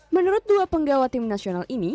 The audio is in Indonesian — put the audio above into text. menurut dua penggawa tim nasional ini